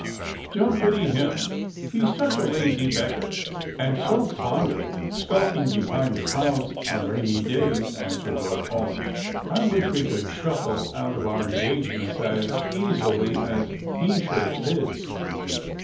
'*" Don't pity him : he's such a lazy beggar, and so fond of skulking behind the clouds on rainy days," answered Lord Paulyn. " I wish we could shuffle out of our engagements as easily as he shirks his."